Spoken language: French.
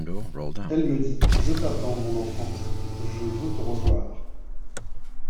Elle me dit :« Je t’attends, mon enfant, je veux te revoir !